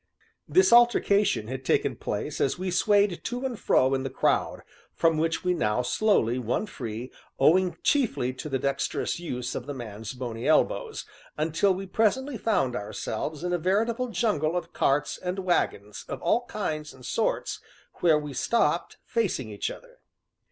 This altercation had taken place as we swayed to and fro in the crowd, from which we now slowly won free, owing chiefly to the dexterous use of the man's bony elbows, until we presently found ourselves in a veritable jungle of carts and wagons of all kinds and sorts, where we stopped, facing each other.